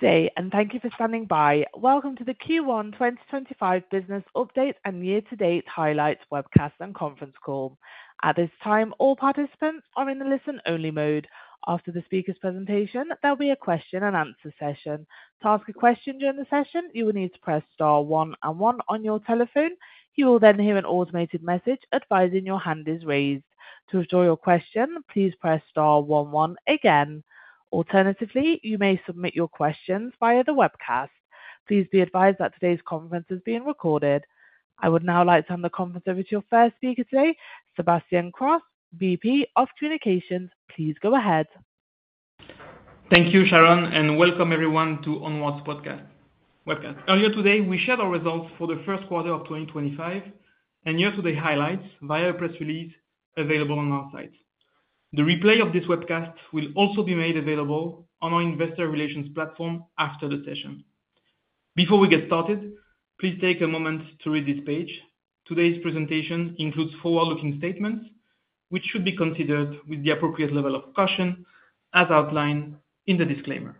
Good day, and thank you for standing by. Welcome to the Q1 2025 Business Update and Year-to-Date Highlights webcast and conference call. At this time, all participants are in the listen-only mode. After the speaker's presentation, there will be a question-and-answer session. To ask a question during the session, you will need to press star one-one on your telephone. You will then hear an automated message advising your hand is raised. To withdraw your question, please press star one-one again. Alternatively, you may submit your questions via the webcast. Please be advised that today's conference is being recorded. I would now like to hand the conference over to your first speaker today, Sébastien Cros, VP of Communications. Please go ahead. Thank you, Sharon, and welcome everyone to ONWARD's webcast. Earlier today, we shared our results for the first quarter of 2025 and year-to-date highlights via a press release available on our site. The replay of this webcast will also be made available on our investor relations platform after the session. Before we get started, please take a moment to read this page. Today's presentation includes forward-looking statements, which should be considered with the appropriate level of caution, as outlined in the disclaimer.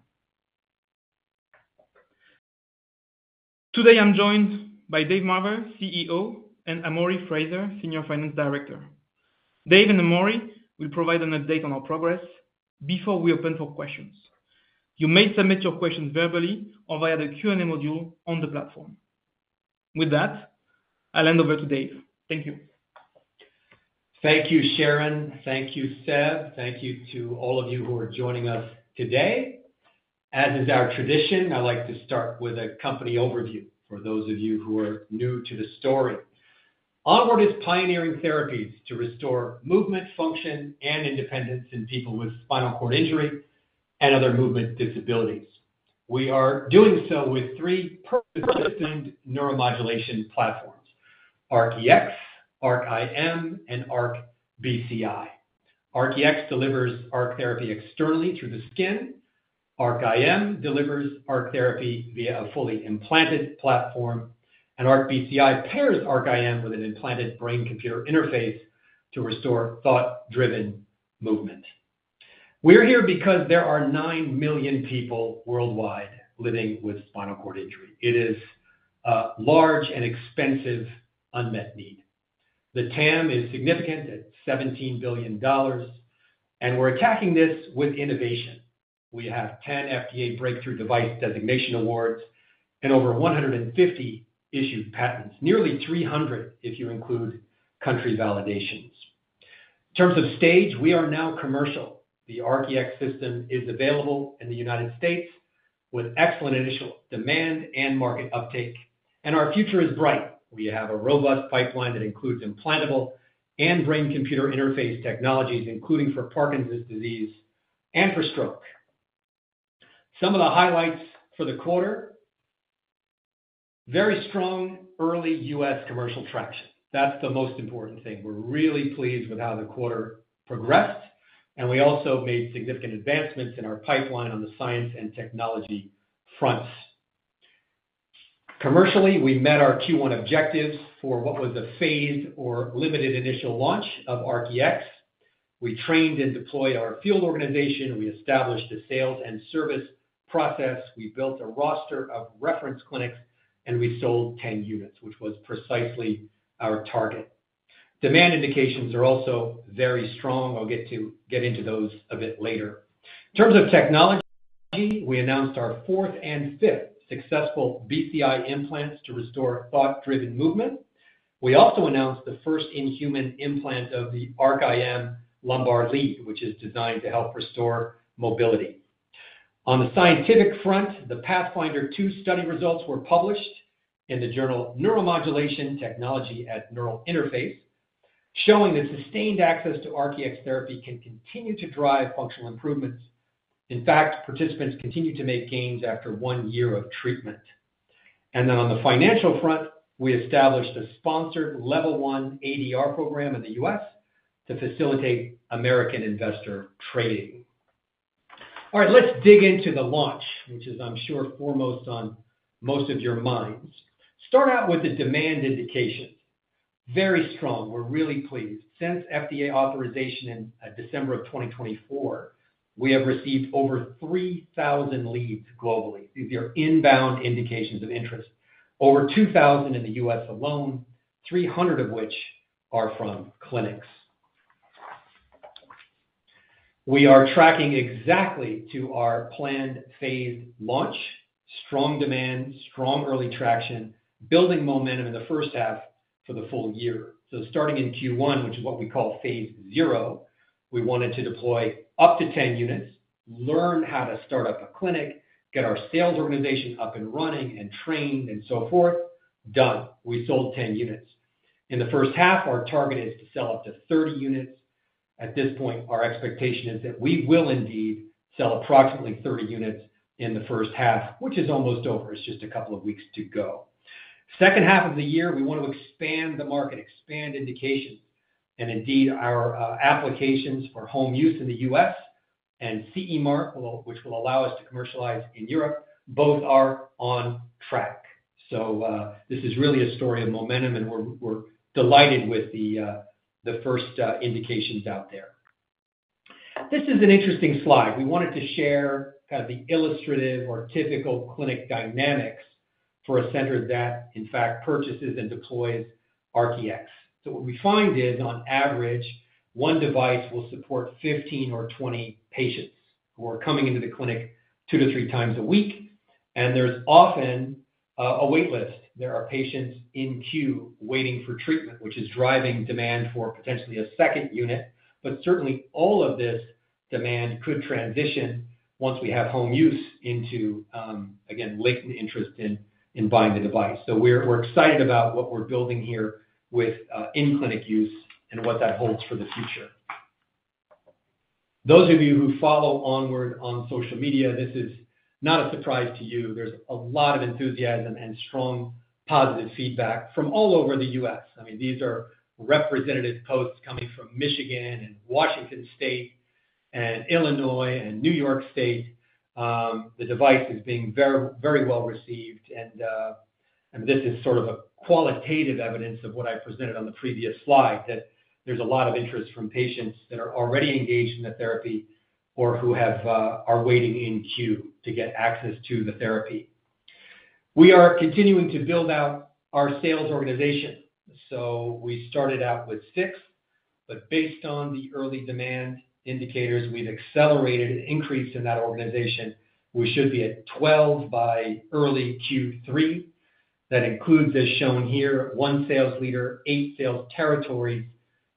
Today, I'm joined by Dave Marver, CEO, and Amori Fraser, Senior Finance Director. Dave and Amori will provide an update on our progress before we open for questions. You may submit your questions verbally or via the Q&A module on the platform. With that, I'll hand over to Dave. Thank you. Thank you, Sharon. Thank you, Seb. Thank you to all of you who are joining us today. As is our tradition, I'd like to start with a company overview for those of you who are new to the story. ONWARD is pioneering therapies to restore movement, function, and independence in people with spinal cord injury and other movement disabilities. We are doing so with three purpose-assigned neuromodulation platforms: ARC-EX, ARC-IM, and ARC-BCI. ARC-EX delivers ARC therapy externally through the skin. ARC-IM delivers ARC therapy via a fully implanted platform. ARC-BCI pairs ARC-IM with an implanted brain-computer interface to restore thought-driven movement. We're here because there are nine million people worldwide living with spinal cord injury. It is a large and expensive unmet need. The TAM is significant at $17 billion, and we're attacking this with innovation. We have 10 FDA Breakthrough Device Designation Awards and over 150 issued patents, nearly 300 if you include country validations. In terms of stage, we are now commercial. The ARC-EX system is available in the United States. with excellent initial demand and market uptake. Our future is bright. We have a robust pipeline that includes implantable and brain-computer interface technologies, including for Parkinson's disease and for stroke. Some of the highlights for the quarter: very strong early U.S. commercial traction. That's the most important thing. We're really pleased with how the quarter progressed, and we also made significant advancements in our pipeline on the science and technology fronts. Commercially, we met our Q1 objectives for what was a phased or limited initial launch of ARC-EX. We trained and deployed our field organization. We established a sales and service process. We built a roster of reference clinics, and we sold 10 units, which was precisely our target. Demand indications are also very strong. I'll get into those a bit later. In terms of technology, we announced our fourth and fifth successful BCI implants to restore thought-driven movement. We also announced the first inhuman implant of the ARC-IM Lumbar Lead, which is designed to help restore mobility. On the scientific front, the PATHFINDER II study results were published in the journal Neuromodulation Technology at Neural Interface, showing that sustained access to ARC-EX therapy can continue to drive functional improvements. In fact, participants continue to make gains after one year of treatment. On the financial front, we established a sponsored level one ADR program in the U.S. to facilitate American investor trading. All right, let's dig into the launch, which is, I'm sure, foremost on most of your minds. Start out with the demand indications. Very strong. We're really pleased. Since FDA authorization in December of 2024, we have received over 3,000 leads globally. These are inbound indications of interest. Over 2,000 in the U.S. alone, 300 of which are from clinics. We are tracking exactly to our planned phased launch. Strong demand, strong early traction, building momentum in the first half for the full year. Starting in Q1, which is what we call phase zero, we wanted to deploy up to 10 units, learn how to start up a clinic, get our sales organization up and running and trained and so forth. Done. We sold 10 units. In the first half, our target is to sell up to 30 units. At this point, our expectation is that we will indeed sell approximately 30 units in the first half, which is almost over. It's just a couple of weeks to go. Second half of the year, we want to expand the market, expand indications. Indeed, our applications for home use in the U.S. and CE Mark, which will allow us to commercialize in Europe, both are on track. This is really a story of momentum, and we're delighted with the first indications out there. This is an interesting slide. We wanted to share kind of the illustrative or typical clinic dynamics for a center that, in fact, purchases and deploys ARC-EX. What we find is, on average, one device will support 15-20 patients who are coming into the clinic two to three times a week. There's often a waitlist. There are patients in queue waiting for treatment, which is driving demand for potentially a second unit. Certainly, all of this demand could transition once we have home use into, again, latent interest in buying the device. We are excited about what we are building here with in-clinic use and what that holds for the future. Those of you who follow ONWARD on social media, this is not a surprise to you. There is a lot of enthusiasm and strong positive feedback from all over the U.S. I mean, these are representative posts coming from Michigan and Washington State and Illinois and New York State. The device is being very well received. This is sort of qualitative evidence of what I presented on the previous slide, that there is a lot of interest from patients that are already engaged in the therapy or who are waiting in queue to get access to the therapy. We are continuing to build out our sales organization. We started out with six, but based on the early demand indicators, we've accelerated an increase in that organization. We should be at 12 by early Q3. That includes, as shown here, one Sales Leader, eight Sales Territories,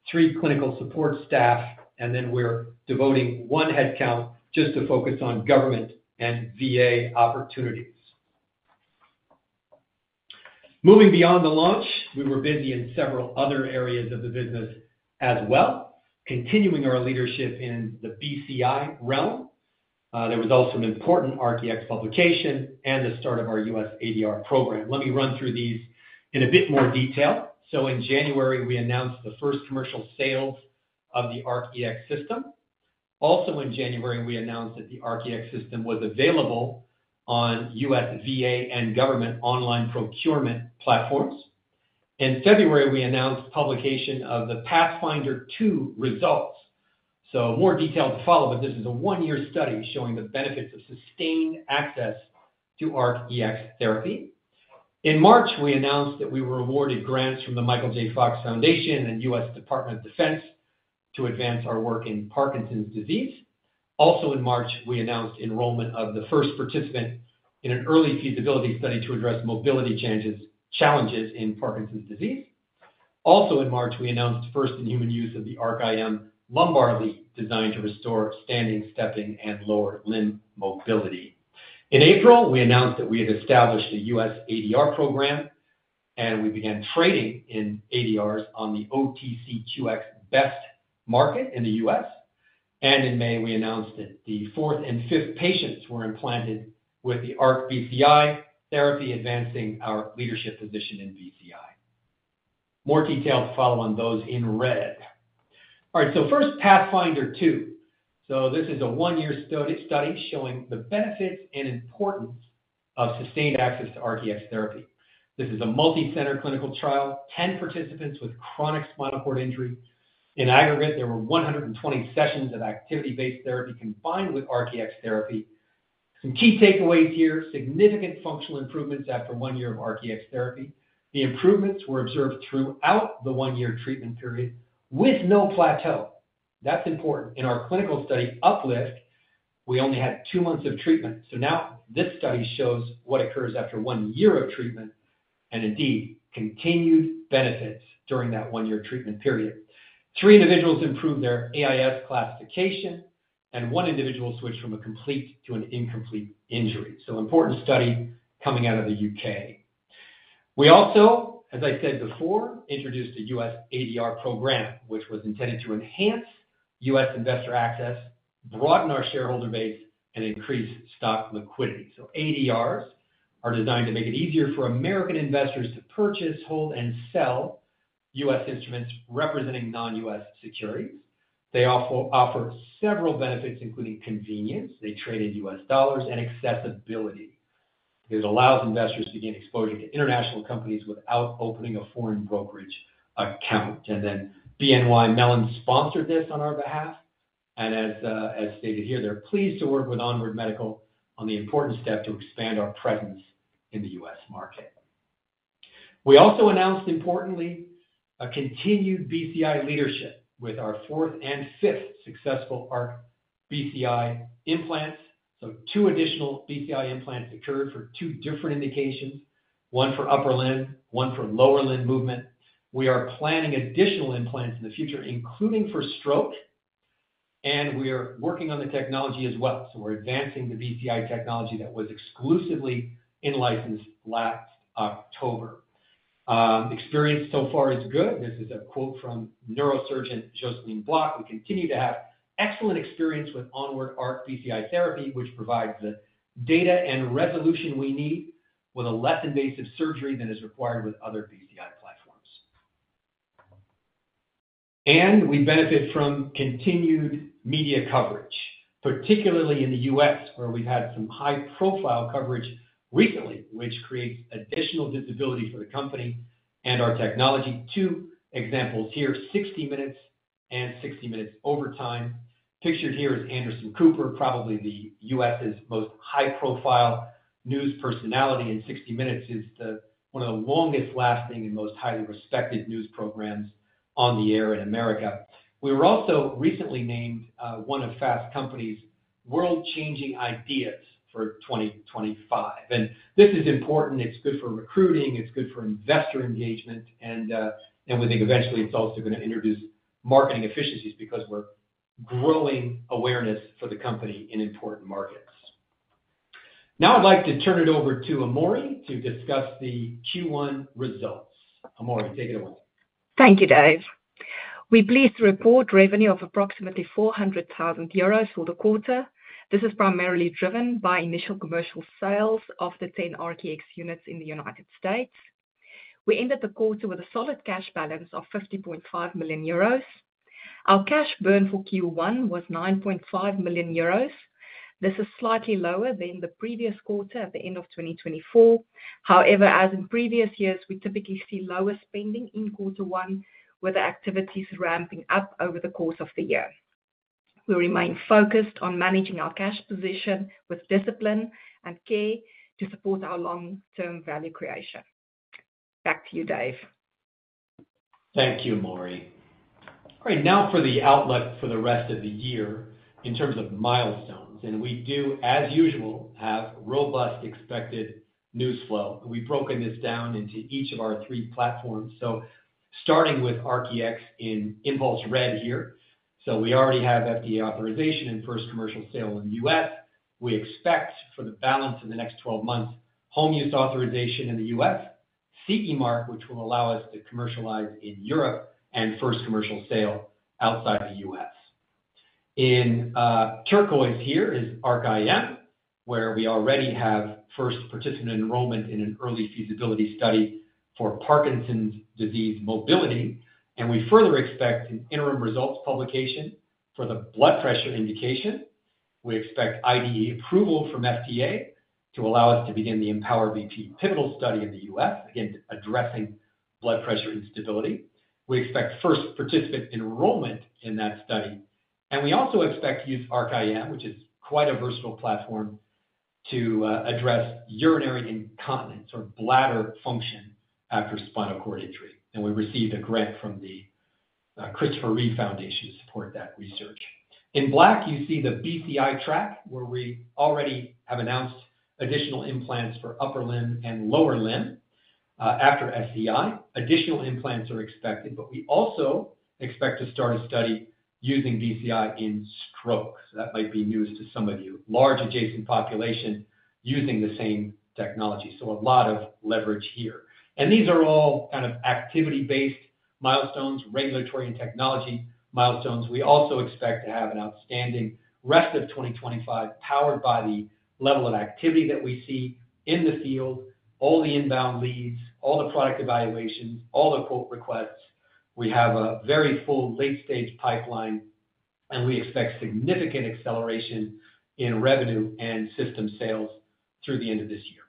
three Clinical Support Staff, and then we're devoting one headcount just to focus on government and VA opportunities. Moving beyond the launch, we were busy in several other areas of the business as well, continuing our leadership in the BCI realm. There was also an important ARC-EX publication and the start of our U.S. ADR program. Let me run through these in a bit more detail. In January, we announced the first commercial sales of the ARC-EX system. Also in January, we announced that the ARC-EX system was available on U.S. VA and government online procurement platforms. In February, we announced publication of the Pathfinder 2 results. More details to follow, but this is a one-year study showing the benefits of sustained access to ARC-EX therapy. In March, we announced that we were awarded grants from the Michael J. Fox Foundation and U.S. Department of Defense to advance our work in Parkinson's disease. Also in March, we announced enrollment of the first participant in an early feasibility study to address mobility challenges in Parkinson's disease. Also in March, we announced first in human use of the ARC-IM lumbar lead designed to restore standing, stepping, and lower limb mobility. In April, we announced that we had established a U.S. ADR program, and we began trading in ADRs on the OTCQX Best Market in the U.S. In May, we announced that the fourth and fifth patients were implanted with the ARC-BCI therapy, advancing our leadership position in BCI. More details to follow on those in red. All right, so first, PATHFINDER 2. This is a one-year study showing the benefits and importance of sustained access to ARC-EX therapy. This is a multi-center clinical trial, 10 participants with chronic spinal cord injury. In aggregate, there were 120 sessions of activity-based therapy combined with ARC-EX therapy. Some key takeaways here: significant functional improvements after one year of ARC-EX therapy. The improvements were observed throughout the one-year treatment period with no plateau. That is important. In our clinical study, Up-LIFT, we only had two months of treatment. Now this study shows what occurs after one year of treatment and indeed continued benefits during that one-year treatment period. Three individuals improved their AIS classification, and one individual switched from a complete to an incomplete injury. Important study coming out of the U.K. We also, as I said before, introduced a U.S. ADR program, which was intended to enhance U.S. investor access, broaden our shareholder base, and increase stock liquidity. ADRs are designed to make it easier for American investors to purchase, hold, and sell U.S. instruments representing non-U.S. securities. They offer several benefits, including convenience. They trade in U.S. dollars and accessibility. It allows investors to gain exposure to international companies without opening a foreign brokerage account. BNY Mellon sponsored this on our behalf. As stated here, they are pleased to work with Onward Medical on the important step to expand our presence in the U.S. market. We also announced, importantly, continued BCI leadership with our fourth and fifth successful ARC-BCI implants. Two additional BCI implants occurred for two different indications: one for upper limb, one for lower limb movement. We are planning additional implants in the future, including for stroke. We are working on the technology as well. We are advancing the BCI technology that was exclusively in license last October. Experience so far is good. This is a quote from neurosurgeon Jocelyne Bloch. "We continue to have excellent experience with ONWARD ARC-BCI therapy, which provides the data and resolution we need with a less invasive surgery than is required with other BCI platforms." We benefit from continued media coverage, particularly in the U.S., where we have had some high-profile coverage recently, which creates additional visibility for the company and our technology. Two examples here: 60 Minutes and 60 Minutes Overtime. Pictured here is Anderson Cooper, probably the U.S.'s most high-profile news personality. 60 Minutes is one of the longest-lasting and most highly respected news programs on the air in America. We were also recently named one of Fast Company's world-changing ideas for 2025. This is important. It's good for recruiting. It's good for investor engagement. We think eventually it's also going to introduce marketing efficiencies because we're growing awareness for the company in important markets. Now I'd like to turn it over to Amori to discuss the Q1 results. Amori, take it away. Thank you, Dave. We are pleased to report revenue of approximately 400,000 euros for the quarter. This is primarily driven by initial commercial sales of the 10 ARC-EX units in the United States. We ended the quarter with a solid cash balance of 50.5 million euros. Our cash burn for Q1 was 9.5 million euros. This is slightly lower than the previous quarter at the end of 2024. However, as in previous years, we typically see lower spending in quarter one, with activities ramping up over the course of the year. We remain focused on managing our cash position with discipline and care to support our long-term value creation. Back to you, Dave. Thank you, Amori. All right, now for the outlook for the rest of the year in terms of milestones. We do, as usual, have robust expected news flow. We have broken this down into each of our three platforms. Starting with ARC-EX in impulse red here. We already have FDA authorization and first commercial sale in the U.S. We expect for the balance of the next 12 months, home use authorization in the U.S., CE Mark, which will allow us to commercialize in Europe, and first commercial sale outside the U.S. In turquoise here is ARC-IM, where we already have first participant enrollment in an early feasibility study for Parkinson's disease mobility. We further expect an interim results publication for the blood pressure indication. We expect IDE approval from FDA to allow us to begin the Empower BP pivotal study in the U.S., again, addressing blood pressure instability. We expect first participant enrollment in that study. We also expect to use ARC-IM, which is quite a versatile platform, to address urinary incontinence or bladder function after spinal cord injury. We received a grant from the Christopher Reeve Foundation to support that research. In black, you see the BCI track, where we already have announced additional implants for upper limb and lower limb after SCI. Additional implants are expected, but we also expect to start a study using BCI in stroke. That might be news to some of you, large adjacent population using the same technology. A lot of leverage here. These are all kind of activity-based milestones, regulatory and technology milestones. We also expect to have an outstanding rest of 2025 powered by the level of activity that we see in the field, all the inbound leads, all the product evaluations, all the quote requests. We have a very full late-stage pipeline, and we expect significant acceleration in revenue and system sales through the end of this year.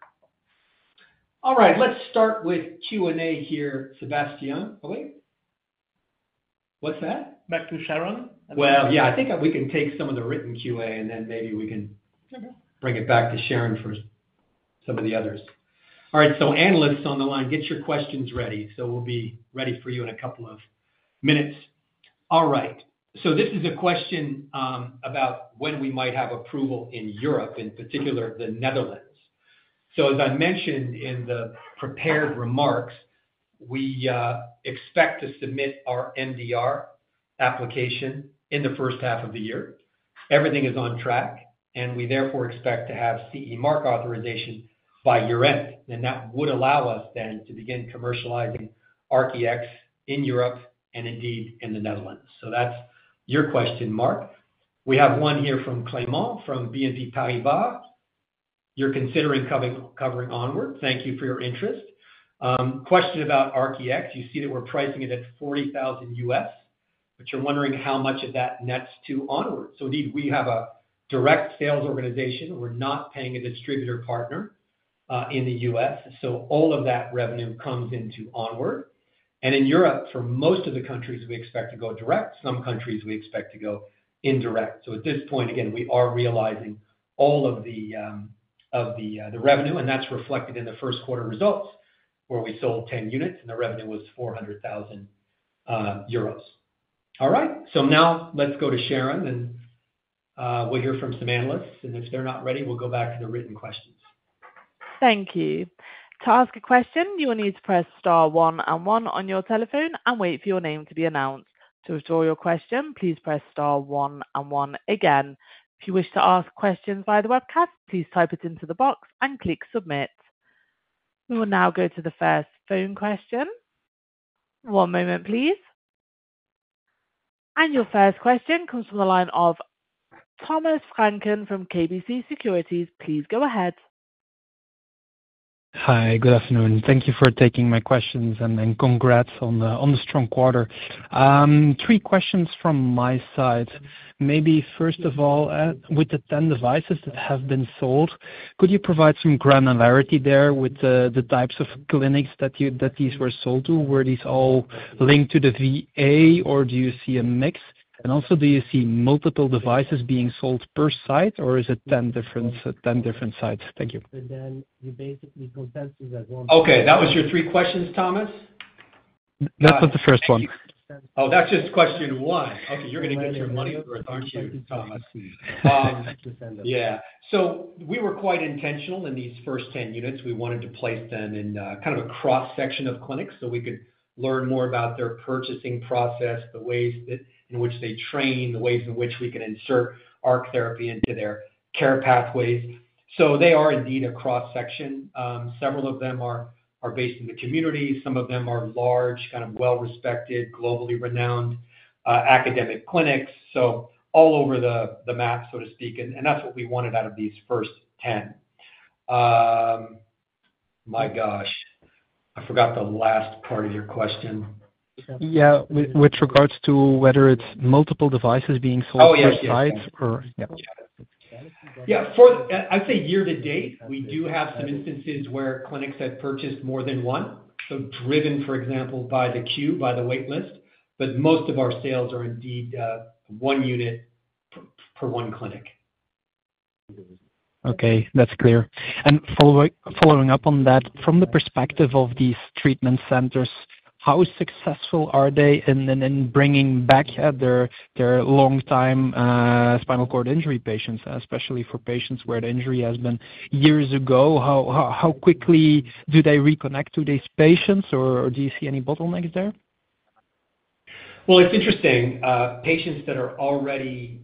All right, let's start with Q&A here. Sébastien, wait. What's that? Back to Sharon. Yeah, I think we can take some of the written Q&A, and then maybe we can bring it back to Sharon for some of the others. All right, analysts on the line, get your questions ready. We'll be ready for you in a couple of minutes. All right, this is a question about when we might have approval in Europe, in particular the Netherlands. As I mentioned in the prepared remarks, we expect to submit our MDR application in the first half of the year. Everything is on track, and we therefore expect to have CE Mark authorization by year-end. That would allow us then to begin commercializing ARC-EX in Europe and indeed in the Netherlands. That is your question, Mark. We have one here from Clément from BNP Paribas. You are considering covering ONWARD. Thank you for your interest. Question about ARC-EX. You see that we are pricing it at $40,000 U.S., but you are wondering how much of that nets to ONWARD. Indeed, we have a direct sales organization. We are not paying a distributor partner in the U.S. All of that revenue comes into ONWARD. In Europe, for most of the countries, we expect to go direct. Some countries, we expect to go indirect. At this point, again, we are realizing all of the revenue, and that's reflected in the first quarter results, where we sold 10 units and the revenue was 400,000 euros. All right, now let's go to Sharon, and we'll hear from some analysts. If they're not ready, we'll go back to the written questions. Thank you. To ask a question, you will need to press star one and one on your telephone and wait for your name to be announced. To withdraw your question, please press star one and one again. If you wish to ask questions via the webcast, please type it into the box and click submit. We will now go to the first phone question. One moment, please. Your first question comes from the line of Thomas Vranken from KBC Securities. Please go ahead. Hi, good afternoon. Thank you for taking my questions and congrats on the strong quarter. Three questions from my side. Maybe first of all, with the 10 devices that have been sold, could you provide some granularity there with the types of clinics that these were sold to? Were these all linked to the VA, or do you see a mix? Also, do you see multiple devices being sold per site, or is it 10 different sites? Thank you. You basically consensus at one. Okay, that was your three questions, Thomas? That was the first one. Oh, that's just question one. Okay, you're going to get your money for it, aren't you, Thomas? Yeah. We were quite intentional in these first 10 units. We wanted to place them in kind of a cross-section of clinics so we could learn more about their purchasing process, the ways in which they train, the ways in which we can insert ARC therapy into their care pathways. They are indeed a cross-section. Several of them are based in the community. Some of them are large, kind of well-respected, globally renowned academic clinics. All over the map, so to speak. That is what we wanted out of these first 10. My gosh, I forgot the last part of your question. Yeah, with regards to whether it is multiple devices being sold per site or yeah. Yeah, I would say year-to-date, we do have some instances where clinics have purchased more than one. Driven, for example, by the queue, by the waitlist. Most of our sales are indeed one unit per one clinic. Okay, that is clear. Following up on that, from the perspective of these treatment centers, how successful are they in bringing back their long-time spinal cord injury patients, especially for patients where the injury has been years ago? How quickly do they reconnect to these patients, or do you see any bottlenecks there? It is interesting. Patients that are already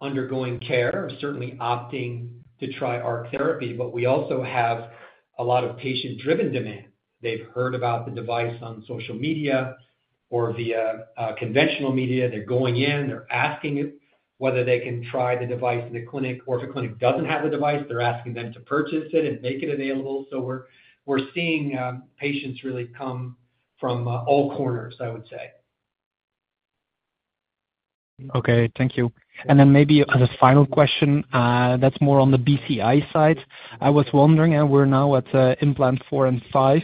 undergoing care are certainly opting to try ARC therapy, but we also have a lot of patient-driven demand. They have heard about the device on social media or via conventional media. They are going in. They are asking whether they can try the device in the clinic. If a clinic does not have the device, they are asking them to purchase it and make it available. We are seeing patients really come from all corners, I would say. Okay, thank you. Maybe as a final question, that is more on the BCI side. I was wondering, and we're now at implant four and five,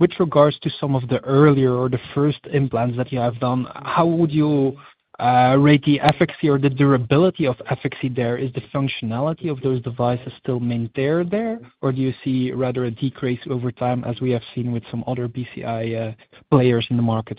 with regards to some of the earlier or the first implants that you have done, how would you rate the efficacy or the durability of efficacy there? Is the functionality of those devices still maintained there, or do you see rather a decrease over time as we have seen with some other BCI players in the market?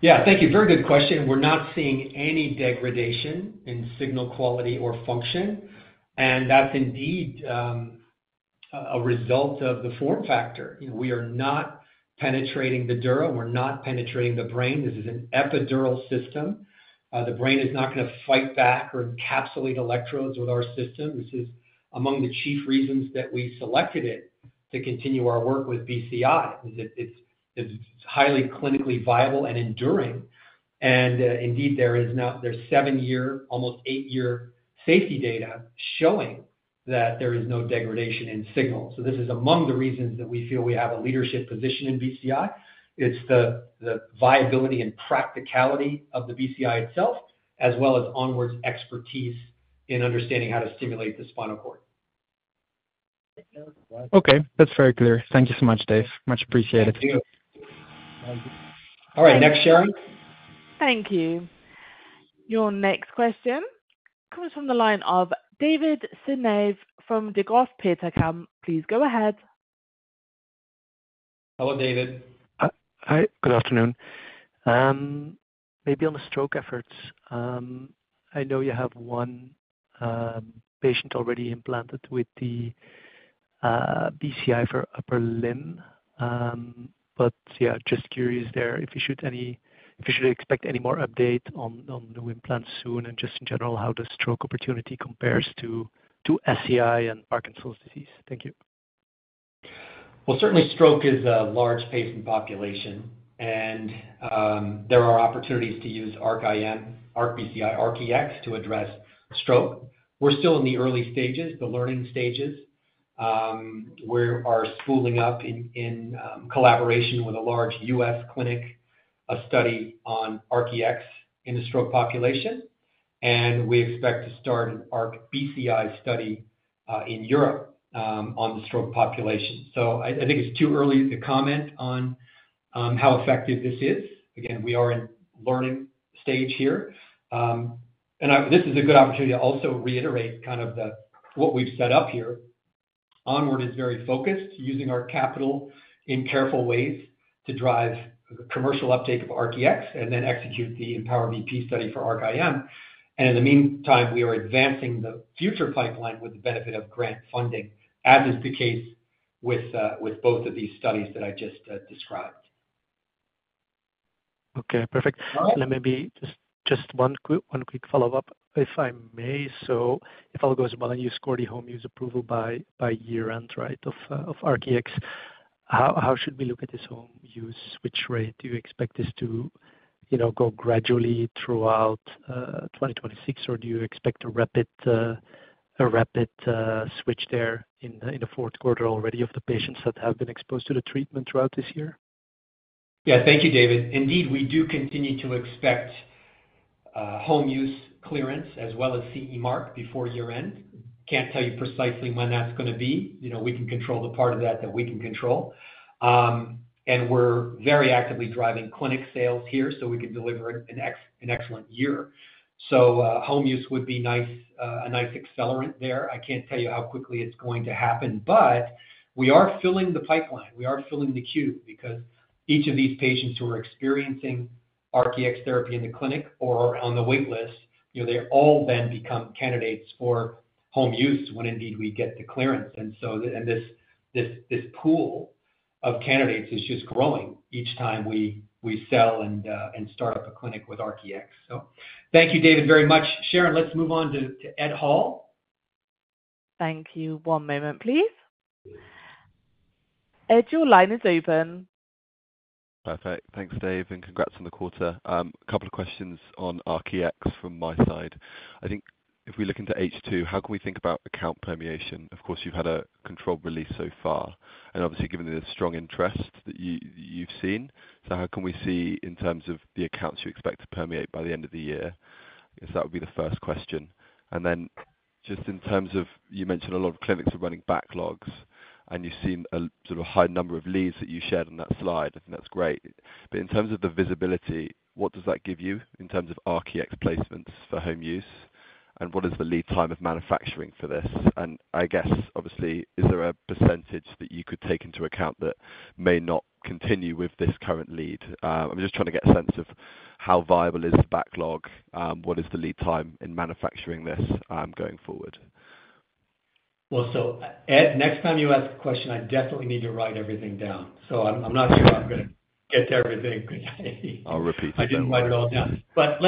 Yeah, thank you. Very good question. We're not seeing any degradation in signal quality or function. That is indeed a result of the form factor. We are not penetrating the dura. We are not penetrating the brain. This is an epidural system. The brain is not going to fight back or encapsulate electrodes with our system. This is among the chief reasons that we selected it to continue our work with BCI, as it is highly clinically viable and enduring. Indeed, there is now seven-year, almost eight-year safety data showing that there is no degradation in signal. This is among the reasons that we feel we have a leadership position in BCI. It's the viability and practicality of the BCI itself, as well as ONWARD's expertise in understanding how to stimulate the spinal cord. Okay, that's very clear. Thank you so much, Dave. Much appreciated. All right, next Sharon. Thank you. Your next question comes from the line of David Seynnaeve from Degroof Petercam. Please go ahead. Hello, David. Hi, good afternoon. Maybe on the stroke efforts, I know you have one patient already implanted with the BCI for upper limb. But yeah, just curious there if you should expect any more update on new implants soon and just in general how the stroke opportunity compares to SCI and Parkinson's disease. Thank you. Certainly stroke is a large patient population, and there are opportunities to use ARC-IM, ARC-BCI, ARC-EX to address stroke. We're still in the early stages, the learning stages. We are spooling up in collaboration with a large U.S. clinic a study on ARC-EX in the stroke population. We expect to start an ARC-BCI study in Europe on the stroke population. I think it's too early to comment on how effective this is. Again, we are in learning stage here. This is a good opportunity to also reiterate kind of what we've set up here. ONWARD is very focused, using our capital in careful ways to drive the commercial uptake of ARC-EX and then execute the Empower BP study for ARC-IM. In the meantime, we are advancing the future pipeline with the benefit of grant funding, as is the case with both of these studies that I just described. Okay, perfect. All right. Maybe just one quick follow-up, if I may. If all goes well, and you scored the home use approval by year-end, right, of ARC-EX, how should we look at this home use? Which rate do you expect this to go gradually throughout 2026, or do you expect a rapid switch there in the fourth quarter already of the patients that have been exposed to the treatment throughout this year? Yeah, thank you, David. Indeed, we do continue to expect home use clearance as well as CE Mark before year-end. Can't tell you precisely when that's going to be. We can control the part of that that we can control. We are very actively driving clinic sales here so we can deliver an excellent year. Home use would be a nice accelerant there. I cannot tell you how quickly it is going to happen, but we are filling the pipeline. We are filling the queue because each of these patients who are experiencing ARC-EX therapy in the clinic or on the waitlist, they all then become candidates for home use when indeed we get the clearance. This pool of candidates is just growing each time we sell and start up a clinic with ARC-EX. Thank you, David, very much. Sharon, let's move on to Ed Hall. Thank you. One moment, please. Ed, your line is open. Perfect. Thanks, Dave. Congrats on the quarter. A couple of questions on ARC-EX from my side. I think if we look into H2, how can we think about account permeation? Of course, you've had a controlled release so far. Obviously, given the strong interest that you've seen, how can we see in terms of the accounts you expect to permeate by the end of the year? I guess that would be the first question. In terms of you mentioned a lot of clinics are running backlogs, and you've seen a sort of high number of leads that you shared on that slide. I think that's great. In terms of the visibility, what does that give you in terms of ARC-EX placements for home use? What is the lead time of manufacturing for this? I guess, obviously, is there a percentage that you could take into account that may not continue with this current lead? I'm just trying to get a sense of how viable is the backlog? What is the lead time in manufacturing this going forward? Ed, next time you ask a question, I definitely need to write everything down. I'm not sure I'm going to get to everything. I'll repeat it. I didn't write it all down. Let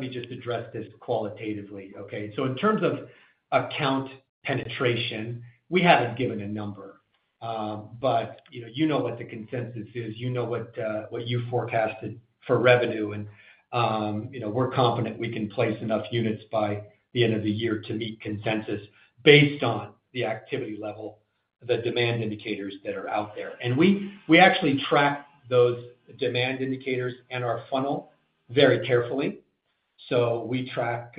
me just address this qualitatively, okay? In terms of account penetration, we haven't given a number. You know what the consensus is. You know what you forecasted for revenue. We're confident we can place enough units by the end of the year to meet consensus based on the activity level, the demand indicators that are out there. We actually track those demand indicators and our funnel very carefully. We track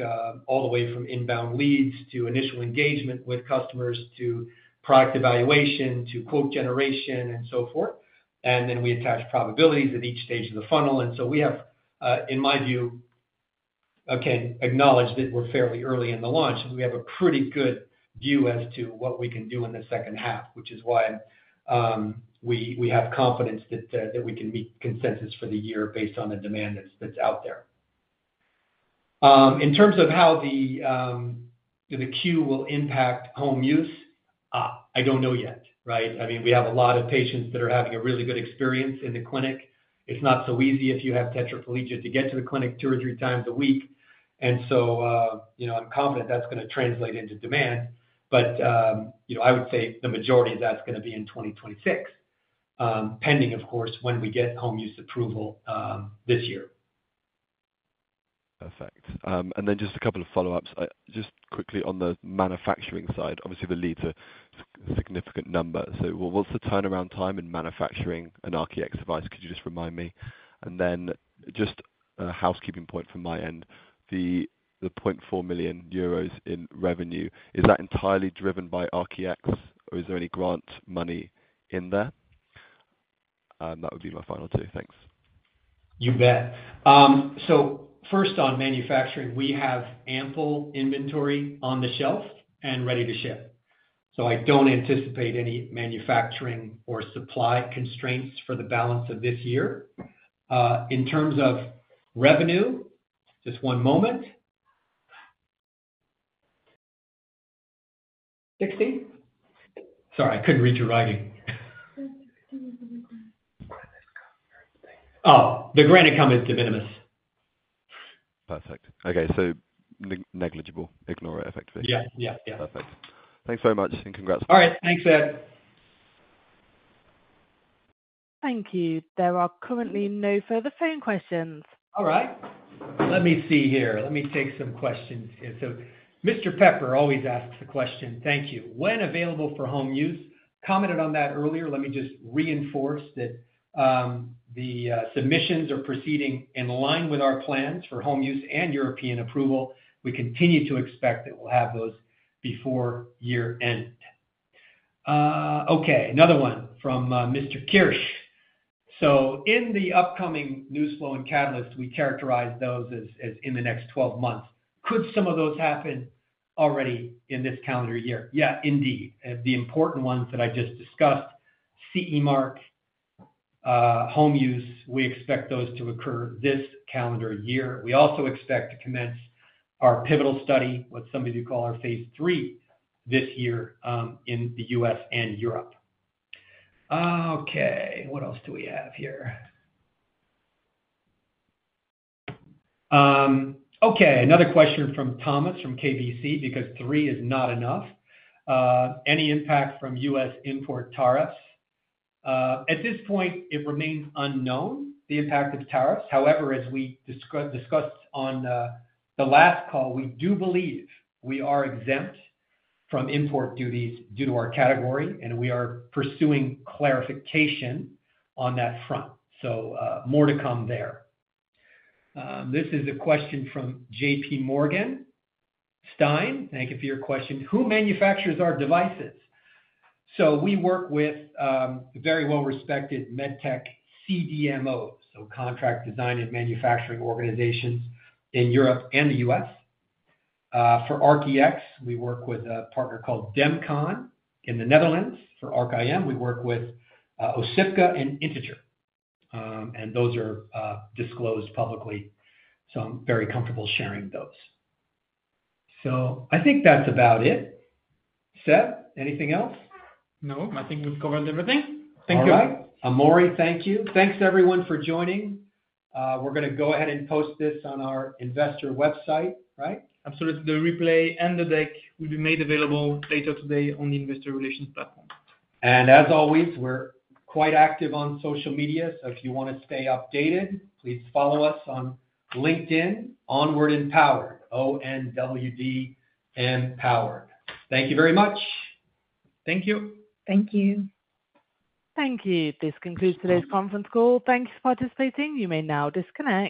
all the way from inbound leads to initial engagement with customers to product evaluation to quote generation and so forth. Then we attach probabilities at each stage of the funnel. We have, in my view, again, acknowledged that we're fairly early in the launch. We have a pretty good view as to what we can do in the second half, which is why we have confidence that we can meet consensus for the year based on the demand that's out there. In terms of how the queue will impact home use, I don't know yet, right? I mean, we have a lot of patients that are having a really good experience in the clinic. It's not so easy if you have tetraplegia to get to the clinic two or three times a week. I'm confident that's going to translate into demand. I would say the majority of that's going to be in 2026, pending, of course, when we get home use approval this year. Perfect. Just a couple of follow-ups. Just quickly on the manufacturing side, obviously the leads are a significant number. What's the turnaround time in manufacturing an ARC-EX device? Could you just remind me? Just a housekeeping point from my end, the 0.4 million euros in revenue, is that entirely driven by ARC-EX, or is there any grant money in there? That would be my final two. Thanks. You bet. First, on manufacturing, we have ample inventory on the shelf and ready to ship. I don't anticipate any manufacturing or supply constraints for the balance of this year. In terms of revenue, just one moment. Dixie? Sorry, I couldn't read your writing. Oh, the grant income is de minimis. Perfect. Okay, so negligible. Ignore it, effectively. Yeah, yeah, yeah. Perfect. Thanks very much, and congrats. All right. Thanks, Ed. Thank you. There are currently no further phone questions. All right. Let me see here. Let me take some questions here. So Mr. Pepper always asks the question. Thank you. When available for home use, commented on that earlier. Let me just reinforce that the submissions are proceeding in line with our plans for home use and European approval. We continue to expect that we'll have those before year-end. Okay, another one from Mr. Kirsch. So in the upcoming news flow and catalyst, we characterize those as in the next 12 months. Could some of those happen already in this calendar year? Yeah, indeed. The important ones that I just discussed, CE Mark, home use, we expect those to occur this calendar year. We also expect to commence our pivotal study, what some of you call our phase III, this year in the U.S. and Europe. Okay, what else do we have here? Okay, another question from Thomas from KBC, because three is not enough. Any impact from U.S. import tariffs? At this point, it remains unknown, the impact of tariffs. However, as we discussed on the last call, we do believe we are exempt from import duties due to our category, and we are pursuing clarification on that front. More to come there. This is a question from JPMorgan Stein. Thank you for your question. Who manufactures our devices? We work with very well-respected MedTech CDMOs, so contract design and manufacturing organizations in Europe and the U.S. For ARC-EX, we work with a partner called Demcon in the Netherlands. For ARC-IM, we work with OSYPKA and Integer. Those are disclosed publicly, so I'm very comfortable sharing those. I think that's about it. Sèb, anything else? No, I think we've covered everything. Thank you. All right. Amori, thank you. Thanks, everyone, for joining. We're going to go ahead and post this on our investor website, right? Absolutely. The replay and the deck will be made available later today on the Investor Relations platform. As always, we're quite active on social media. If you want to stay updated, please follow us on LinkedIn, ONWARD Empower, O-N-W-D Empower. Thank you very much. Thank you. Thank you. Thank you. This concludes today's conference call. Thank you for participating. You may now disconnect.